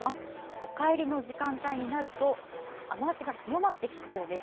お帰りの時間帯になると雨足が強まってきそうです。